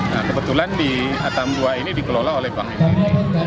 nah kebetulan di atambua ini dikelola oleh bank ntt